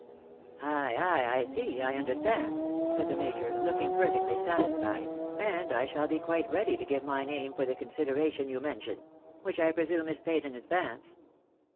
" Ay, ay, I see, I understand," said the major, looking perfectly A' BILL TRANSXC! TION. 279 Batisfied, " and I shall be quite ready to give my name for the con sideration you mention — which I presume is paid in advance."